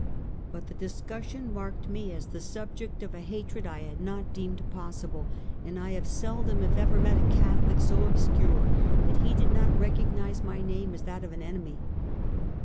But the discussion marked me as the subject of a hatred I had not deemed pos sible, and I have seldom, if ever, met a Catholic so obscure that he did not recognize my name as that of an enemy.